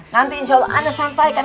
nanti insya allah anda sampaikan